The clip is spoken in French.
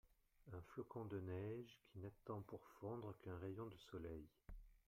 Un flocon de neige qui n'attend pour fondre qu'un rayon de soleil.